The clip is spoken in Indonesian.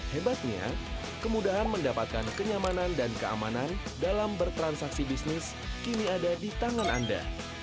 hebatnya kemudahan mendapatkan kenyamanan dan keamanan dalam bertransaksi bisnis kini ada di tangan anda